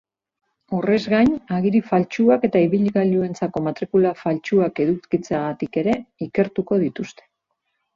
Horrez gain, agiri faltsuak eta ibilgailuentzako matrikula faltsuak edukitzeagatik ere ikertuko dituzte.